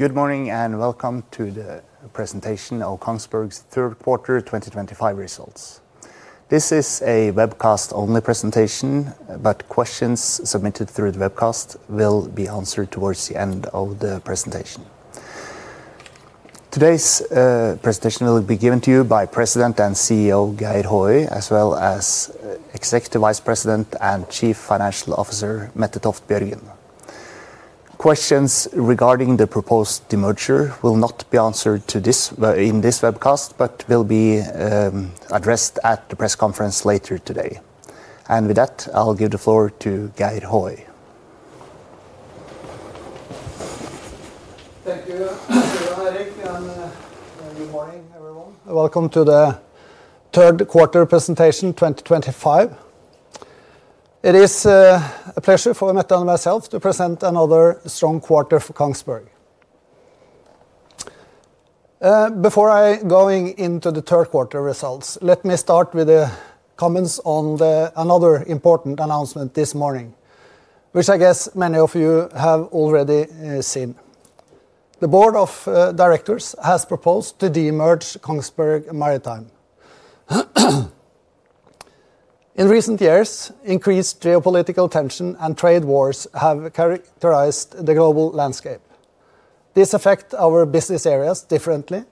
Good morning and welcome to the presentation of Kongsberg's third quarter 2025 results. This is a webcast only presentation, but questions submitted through the webcast will be answered towards the end of the presentation. Today's presentation will be given to you by President and CEO Geir Håøy as well as Executive Vice President and Chief Financial Officer Mette Toft Bjørgen. Questions regarding the proposed demerger will not be answered in this webcast but will be addressed at the press conference later today, and with that I'll give the floor to Geir Håøy. Thank you. Welcome to the third quarter presentation 2025. It is a pleasure for Mette and myself to present another strong quarter for Kongsberg. Before I go into the third quarter results, let me start with comments on another important announcement this morning which I guess many of you have already seen. The Board of Directors has proposed to demerge Kongsberg Maritime. In recent years, increased geopolitical tension and trade wars have characterized the global landscape. This affects our business areas differently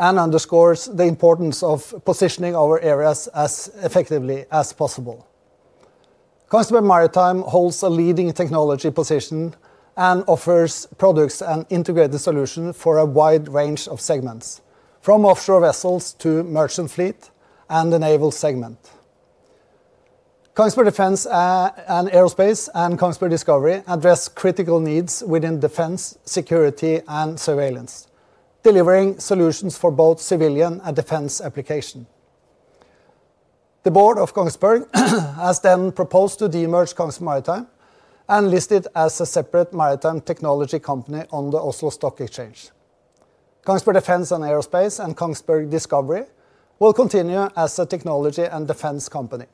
and underscores the importance of positioning our areas as effectively as possible. Kongsberg Maritime holds a leading technology position and offers products and integrated solutions for a wide range of segments from offshore vessels to merchant fleet and the naval segment. Kongsberg Defence & Aerospace and Kongsberg Discovery address critical needs within defense, security, and surveillance, delivering solutions for both civilian and defense applications. The Board Kongsberg has then proposed to demerge Kongsberg Maritime and list it as a separate maritime technology company on the Oslo Stock Exchange. Kongsberg Defence & Aerospace and Kongsberg Discovery will continue as a technology and defense company.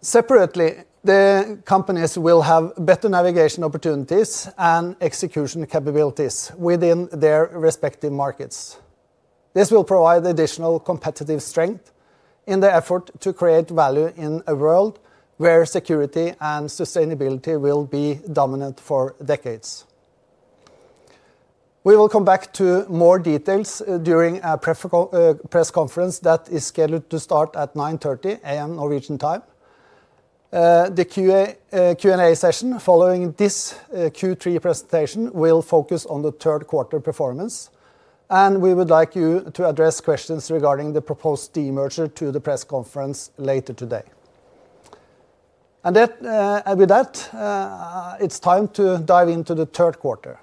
Separately, the companies will have better navigation opportunities and execution capabilities within their respective markets. This will provide additional competitive strength in the effort to create value in a world where security and sustainability will be dominant for decades. We will come back to more details during a press conference that is scheduled to start at 9:30 A.M. Norwegian time. The Q&A session following this Q3 presentation will focus on the third quarter performance and we would like you to address questions regarding the proposed demerger to the press conference later today. With that, it's time to dive into the third quarter.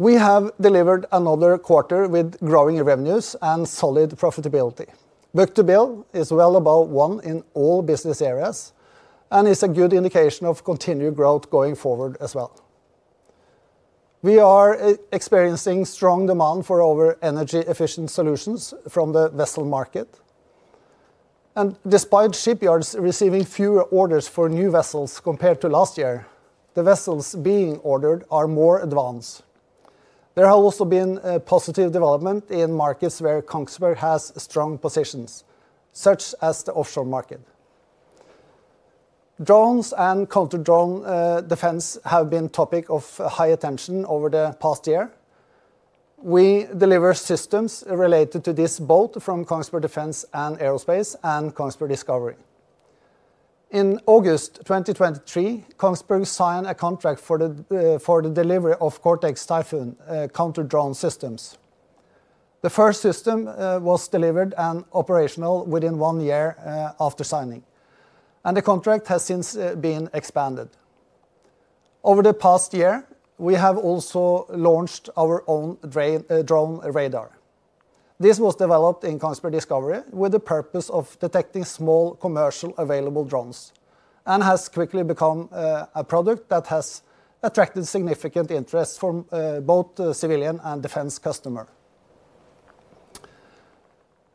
We have delivered another quarter with growing revenues and solid profitability. Book-to-bill is well above one in all business areas and is a good indication of continued growth going forward as well. We are experiencing strong demand for our energy efficient solutions from the vessel market. Despite shipyards receiving fewer orders for new vessels compared to last year, the vessels being ordered are more advanced. There have also been positive developments in markets Kongsberg has strong positions, such as the offshore market. Drones and counter-drone defense have been a topic of high attention over the past year. We deliver systems related to this both from Kongsberg Defence & Aerospace and Kongsberg Discovery. In August 2023, Kongsberg signed a contract for the delivery of Cortex Typhoon counter-drone systems. The first system was delivered and operational within one year after signing, and the contract has since been expanded. Over the past year, we have also launched our own drone radar. This was developed in Kongsberg Discovery with the purpose of detecting small commercially available drones and has quickly become a product that has attracted significant interest from both civilian and defense customers.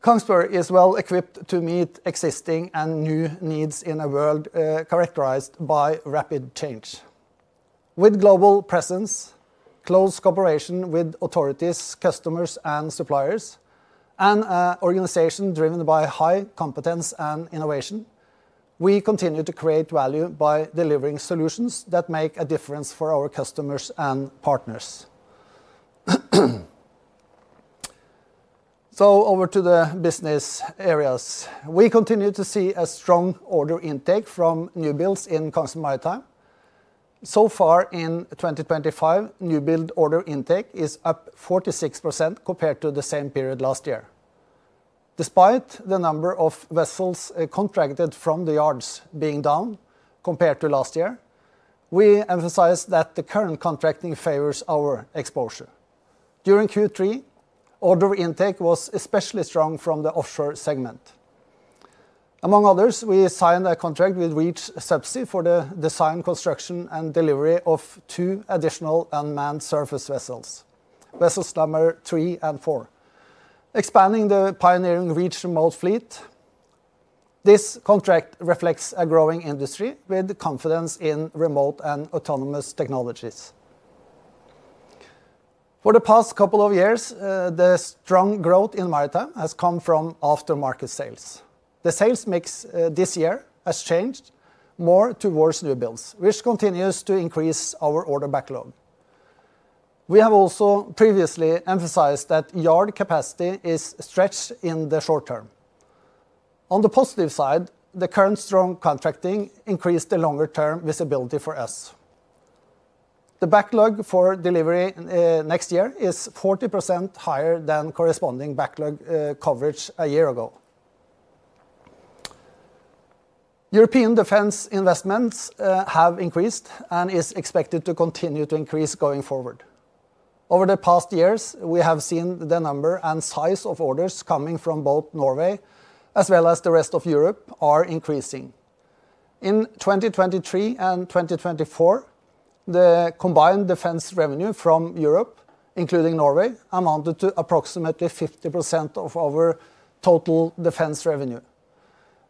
Kongsberg is well equipped to meet existing and new needs in a world characterized by rapid change, with global presence, close cooperation with authorities, customers and suppliers, and an organization driven by high competence and innovation. We continue to create value by delivering solutions that make a difference for our customers and partners. Over to the business areas, we continue to see a strong order intake from newbuilds in Kongsberg Maritime. So far in 2023, newbuild order intake is up 46% compared to the same period last year. Despite the number of vessels contracted from the yards being down compared to last year, we emphasize that the current contracting favors our exposure. During Q3, order intake was especially strong from the offshore segment. Among others, we signed a contract with Reach Subsea for the design, construction, and delivery of two additional unmanned surface vessels, vessels number three and four, expanding the pioneering Reach Remote fleet. This contract reflects a growing industry with confidence in remote and autonomous technologies. For the past couple of years, the strong growth in maritime has come from aftermarket sales. The sales mix this year has changed more towards newbuilds, which continues to increase our order backlog. We have also previously emphasized that yard capacity is stretched in the short term. On the positive side, the current strong contracting increases the longer-term visibility for us. The backlog for delivery next year is 40% higher than corresponding backlog coverage a year ago. European defense investments have increased and are expected to continue to increase going forward. Over the past years we have seen the number and size of orders coming from both Norway as well as the rest of Europe are increasing. In 2023 and 2024, the combined defence revenue from Europe, including Norway, amounted to approximately 50% of our total defence revenue.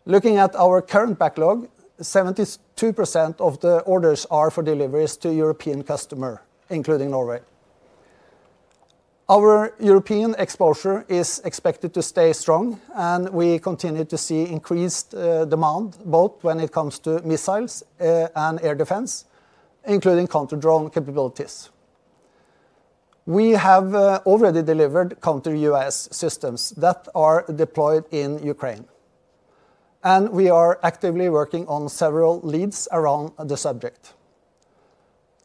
Looking at our current backlog, 72% of the orders are for deliveries to European customers including Norway. Our European exposure is expected to stay strong and we continue to see increased demand both when it comes to missiles and air defence, including counter drone capabilities. We have already delivered counter UAS systems that are deployed in Ukraine and we are actively working on several leads around the subject.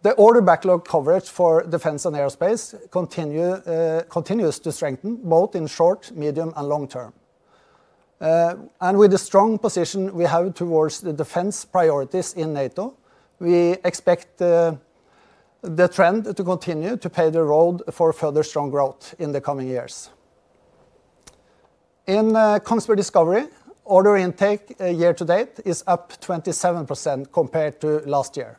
The order backlog coverage for defence and aerospace continues to strengthen both in short, medium, and long term, and with the strong position we have towards the defence priorities in NATO, we expect the trend to continue to pave the road for further strong growth in the coming years. In Kongsberg Discovery, order intake year to date is up 27% compared to last year.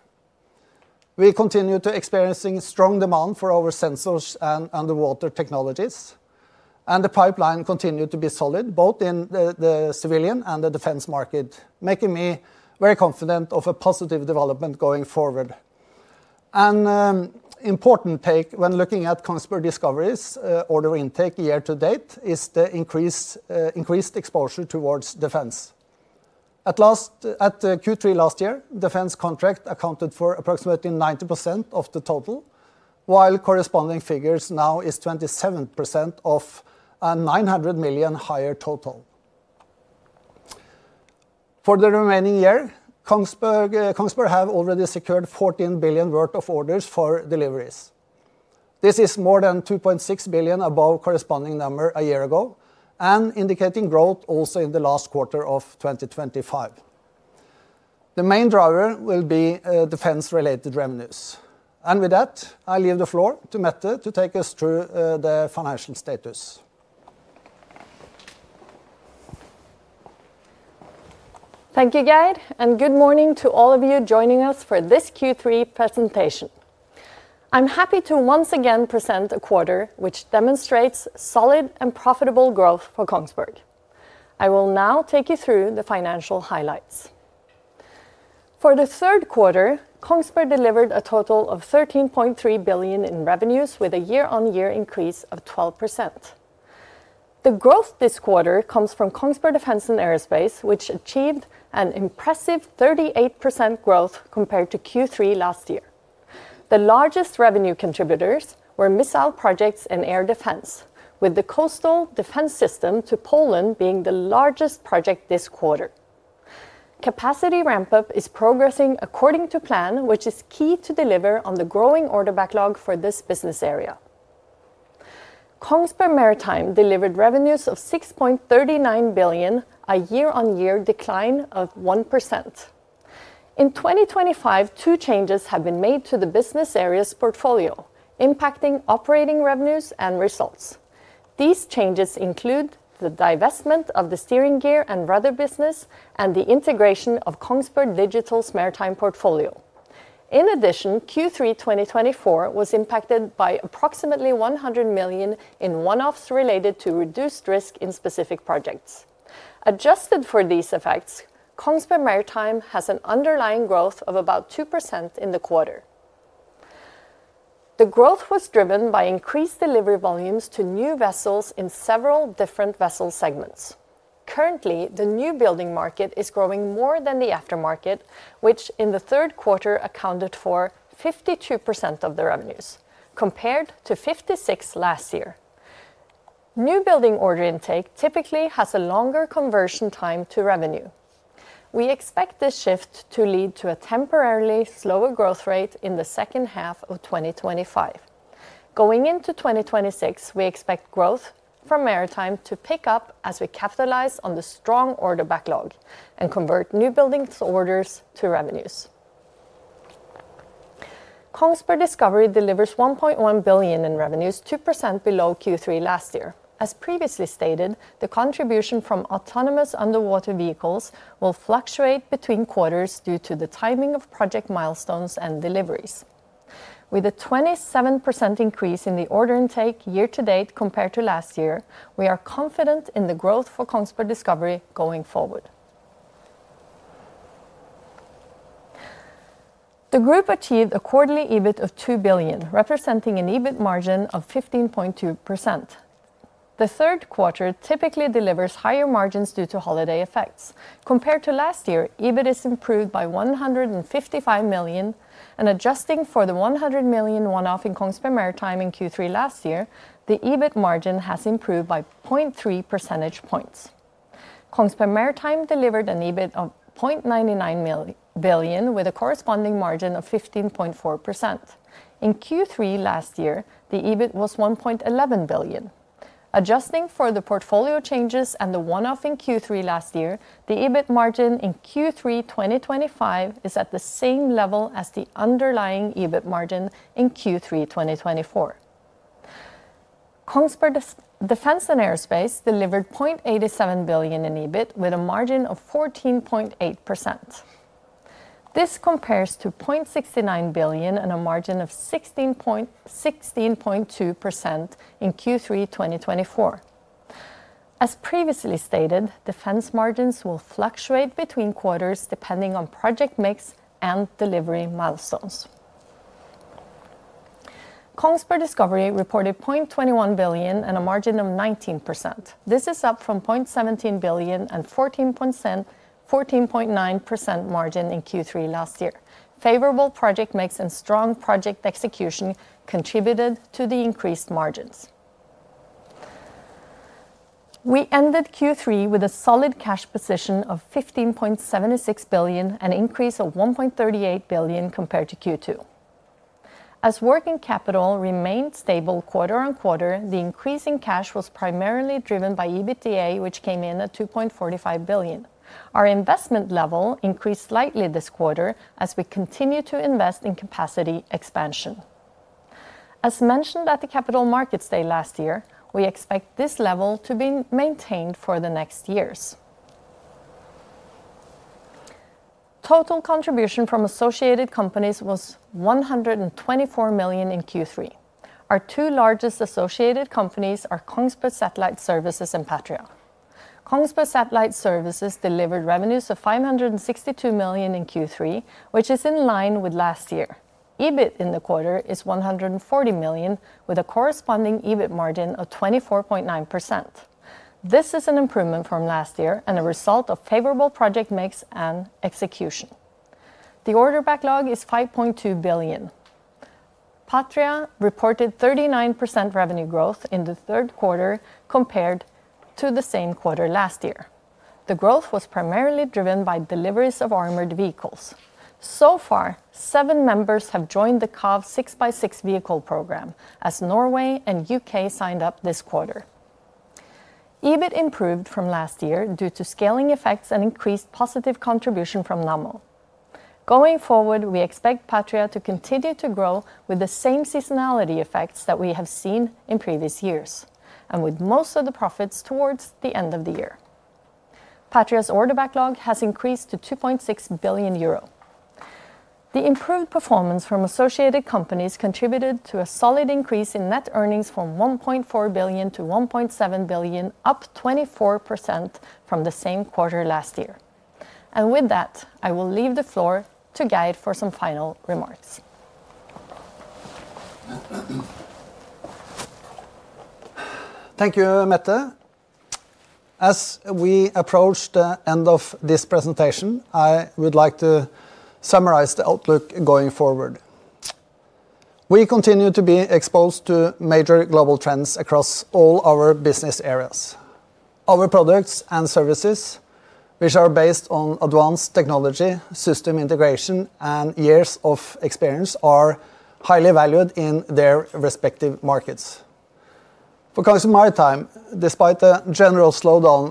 We continue to experience strong demand for our sensors and underwater technologies and the pipeline continues to be solid both in the civilian and the defence market, making me very confident of a positive development going forward. An important take when looking at Kongsberg Discovery's order intake year to date is the increased exposure towards defence. At Q3 last year, defence contracts accounted for approximately 90% of the total, while the corresponding figure now is 27% of 900 million higher total. For the remaining year Kongsberg have already secured 14 billion worth of orders for deliveries. This is more than 2.6 billion above the corresponding number a year ago and indicates growth also in the last quarter of 2025. The main driver will be defence related revenues and with that I leave the floor to Mette to take us through the financial status. Thank you, Guy, and good morning to all of you joining us for this Q3 presentation. I'm happy to once again present a quarter which demonstrates solid and profitable growth for Kongsberg. I will now take you through the financial highlights. For the third Kongsberg delivered a total of 13.3 billion in revenues with a year-on-year increase of 12%. The growth this quarter comes from Kongsberg Defence & Aerospace, which achieved an impressive 38% growth compared to Q3 last year. The largest revenue contributors were missile projects in air defence, with the coastal defence system to Poland being the largest project this quarter. Capacity ramp-up is progressing according to plan, which is key to deliver on the growing order backlog for this business area. Kongsberg Maritime delivered revenues of 6.39 billion, a year-on-year decline of 1%. In 2025, two changes have been made to the business area's portfolio impacting operating revenues and results. These changes include the divestment of the steering gear and rudder business and the integration of Kongsberg Digital's maritime portfolio. In addition, Q3 2024 was impacted by approximately 100 million in one-offs related to reduced risk in specific projects. Adjusted for these effects, Kongsberg Maritime has an underlying growth of about 2% in the quarter. The growth was driven by increased delivery volumes to new vessels in several different vessel segments. Currently, the newbuild order intake market is growing more than the aftermarket, which in the third quarter accounted for 52% of the revenues compared to 56% last year. Newbuild order intake typically has a longer conversion time to revenue. We expect this shift to lead to a temporarily slower growth rate in the second half of 20245. Going into 2026, we expect growth from maritime to pick up as we capitalize on the strong order backlog and convert newbuild orders to revenues. Kongsberg Discovery delivers 1.1 billion in revenues, 2% below Q3 last year. As previously stated, the contribution from autonomous underwater vehicles will fluctuate between quarters due to the timing of project milestones and deliveries. With a 27% increase in the order intake year to date compared to last year, we are confident in the growth for Kongsberg Discovery going forward. The group achieved a quarterly EBIT of 2 billion, representing an EBIT margin of 15.2%. The third quarter typically delivers higher margins due to holiday effects compared to last year. EBIT is improved by 155 million and adjusting for the 100 million one-off in Kongsberg Maritime in Q3 last year, the EBIT margin has improved by both 0.3 percentage points. Kongsberg Maritime delivered an EBIT of 0.99 billion with a corresponding margin of 15.4% in Q3 last year. The EBIT was 1.11 billion adjusting for the portfolio changes and the one-off in Q3 last year. The EBIT margin in Q3 2025 is at the same level as the underlying EBIT margin in Q3 2024. Kongsberg Defence & Aerospace delivered 0.87 billion in EBIT with a margin of 14.8%. This compares to 0.69 billion and a margin of 16.2% in Q3 2024. As previously stated, defense margins will fluctuate between quarters depending on project mix and delivery milestones. Kongsberg Discovery reported 0.21 billion and a margin of 19%. This is up from 0.17 billion and 14.9% margin in Q3 last year. Favorable project mix and strong project execution contributed to the increased margins. We ended Q3 with a solid cash position of 15.76 billion, an increase of 1.38 billion compared to Q2 as working capital remained stable quarter on quarter. The increase in cash was primarily driven by EBITDA which came in at 2.45 billion. Our investment level increased slightly this quarter as we continue to invest in capacity expansion. As mentioned at the Capital Markets Day last year, we expect this level to be maintained for the next years. Total contribution from associated companies was 124 million in Q3. Our two largest associated companies are Kongsberg Satellite Services and Patria. Kongsberg Satellite Services delivered revenues of 562 million in Q3, which is in line with last year. EBIT in the quarter is 140 million with a corresponding EBIT margin of 24.9%. This is an improvement from last year and a result of favorable project mix and execution. The order backlog is 5.2 billion. Patria reported 39% revenue growth in the third quarter compared to the same quarter last year. The growth was primarily driven by deliveries of armored vehicles. So far, seven members have joined the CAVS 6x6 vehicle program as Norway and UK signed up this quarter. EBIT improved from last year due to scaling effects and increased positive contribution from NAML. Going forward, we expect Patria to continue to grow with the same seasonality effects that we have seen in previous years and with most of the profits towards the end of the year. Patria's order backlog has increased to 2.6 billion euro. The improved performance from associated companies contributed to a solid increase in net earnings from 1.4 billion to 1.7 billion, up 24% from the same quarter last year. I will leave the floor to Geir for some final remarks. Thank you, Mette. As we approach the end of this presentation, I would like to summarize the outlook going forward. We continue to be exposed to major global trends across all our business areas. Our products and services, which are based on advanced technology, system integration, and years of experience, are highly valued in their respective markets for commercial maritime. Despite the general slowdown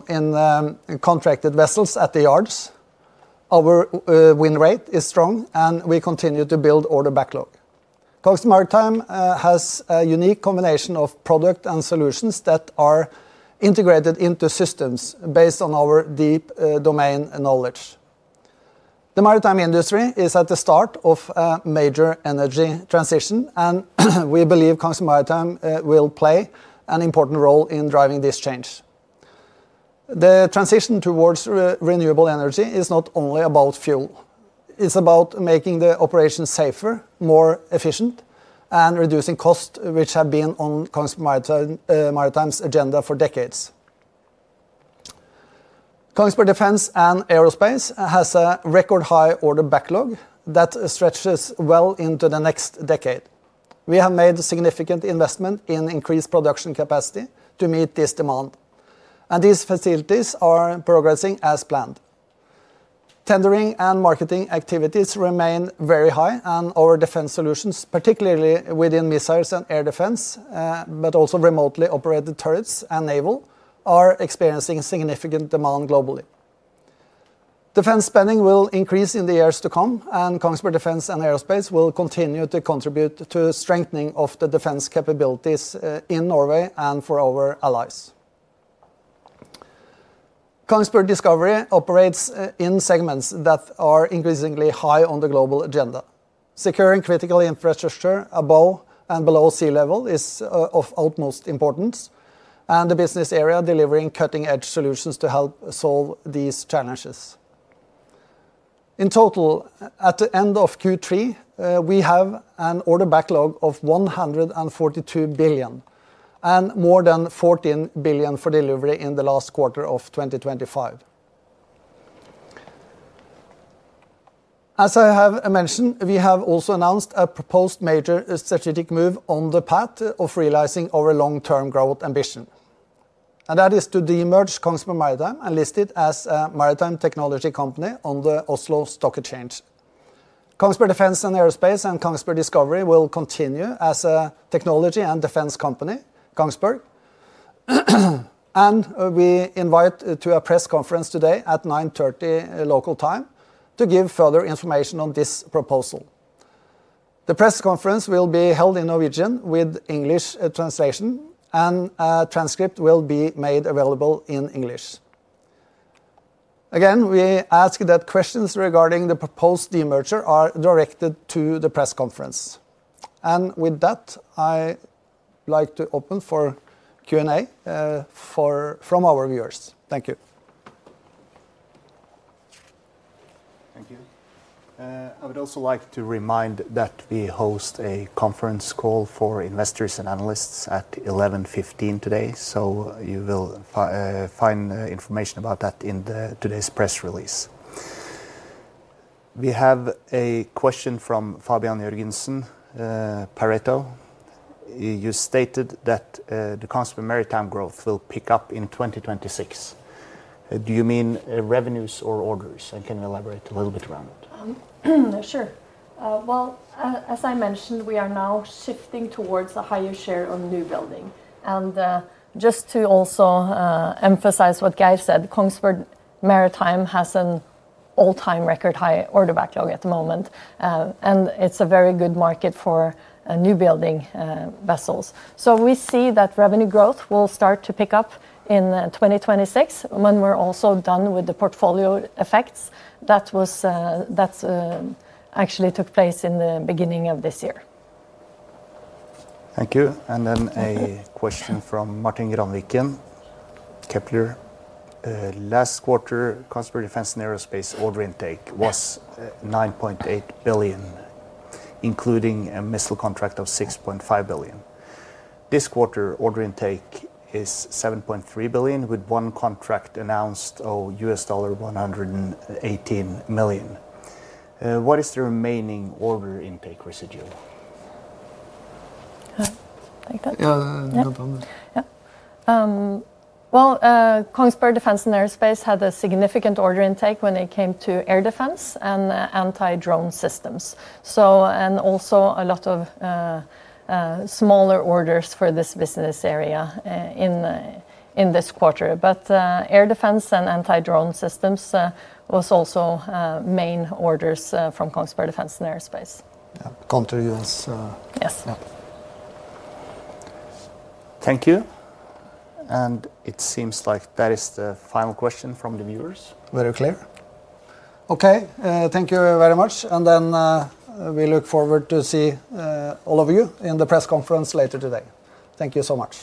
in contracted vessels at the yards, our win rate is strong, and we continue to build order backlog. Kongsberg Maritime has a unique combination of products and solutions that are integrated into systems based on our deep domain knowledge. The maritime industry is at the start of a major energy transition, and we believe Kongsberg Maritime will play an important role in driving this change. The transition towards renewable energy is not only about fuel, it's about making the operations safer, more efficient, and reducing costs, which have been on Kongsberg Maritime's agenda for decades. Kongsberg Defence & Aerospace has a record high order backlog that stretches well into the next decade. We have made significant investment in increased production capacity to meet this demand, and these facilities are progressing as planned. Tendering and marketing activities remain very high, and our defense solutions, particularly within missiles and air defence, but also remotely operated turrets and naval, are experiencing significant demand globally. Defense spending will increase in the years to come, and Kongsberg Defence & Aerospace will continue to contribute to strengthening of the defense capabilities in Norway and for our allies. Kongsberg Discovery operates in segments that are increasingly high on the global agenda. Securing critical infrastructure above and below sea level is of utmost importance, and the business area is delivering cutting edge solutions to help solve these challenges. In total, at the end of Q3, we have an order backlog of 142 billion and more than 14 billion for delivery in the last quarter of 2025. As I have mentioned, we have also announced a proposed major strategic move on the path of realizing our long-term growth ambition, and that is to demerge Kongsberg Maritime and list it as a maritime technology company on the Oslo Stock Exchange. Kongsberg Defence & Aerospace and Kongsberg Discovery will continue as a technology and defense company. Kongsberg invites to a press conference today at 9:30 A.M. local time to give further information on this proposal. The press conference will be held in Norwegian with English translation, and a transcript will be made available in English. Again, we ask that questions regarding the proposed demerger are directed to the press conference. With that, I would like to open for Q and A from our viewers. Thank you. Thank you. I would also like to remind that we host a conference call for investors and analysts at 11:15 A.M. today. You will find information about that in today's press release. We have a question from Fabian Jørgensen, Pareto. You stated that the cost of maritime growth will pick up in 2026. Do you mean revenues or orders? Can you elaborate a little bit around it? As I mentioned, we are now shifting towards a higher share of new buildings. Just to also emphasize what Geir said, Kongsberg Maritime has an all-time record high order backlog at the moment. It's a very good market for new building vessels. We see that revenue growth will start to pick up in 2026 when we're also done with the portfolio effects that actually took place in the beginning of this year. Thank you. A question from Martin Granviken, Kepler. Last quarter, Kongsberg Defence & Aerospace order intake was 9.8 billion, including a missile contract of 6.5 billion. This quarter, order intake is 7.3 billion, with one contract announced of $118 million. What is the remaining order intake residual? Kongsberg Defence & Aerospace had a significant order intake when it came to air defence and anti-drone systems, and also a lot of smaller orders for this business area in this quarter. Air defence and anti-drone systems was also main orders from Kongsberg Defence & Aerospace. Counter UAS. Yes. Yep. Thank you. It seems like that is the final question from the viewers. Very clear. Okay, thank you very much. We look forward to see all of you in the press conference later today. Thank you so much.